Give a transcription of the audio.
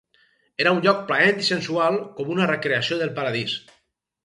Era un lloc plaent i sensual, com una recreació del paradís.